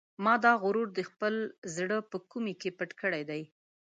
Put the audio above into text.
ما دا غرور د خپل زړه په کومې کې پټ کړی دی.